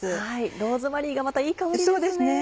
ローズマリーがまたいい香りですね。